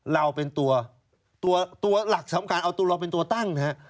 เราเป็นตัวหลักสำคัญเอาตัวเราเป็นตัวตั้งนะฮะ